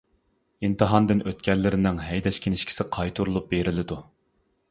ئىمتىھاندىن ئۆتكەنلىرىنىڭ ھەيدەش كىنىشكىسى قايتۇرۇپ بېرىلىدۇ.